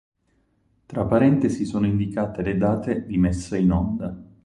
Tra parentesi sono indicate le date di messa in onda.